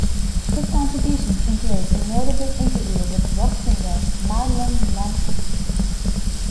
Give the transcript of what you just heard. His contributions include a notable interview with rock singer Marilyn Manson.